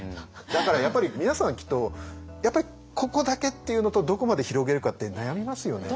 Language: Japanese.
だからやっぱり皆さんはきっとやっぱりここだけっていうのとどこまで広げるかって悩みますよね。